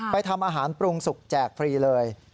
ทำอาหารปรุงสุกแจกฟรีเลย